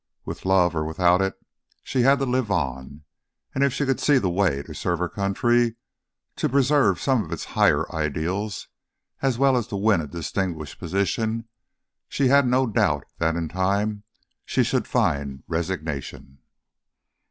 With love or without it she had to live on, and if she could see the way to serve her country, to preserve some of its higher ideals as well as to win a distinguished position, she had no doubt that in time she should find resignation.